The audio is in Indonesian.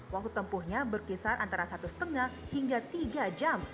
waktu tempuhnya berkisar antara satu lima hingga tiga jam